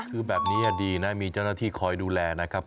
คือแบบนี้ดีนะมีเจ้าหน้าที่คอยดูแลนะครับ